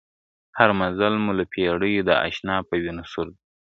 هر مزل مو له پېړیو د اشنا په وینو سور دی !.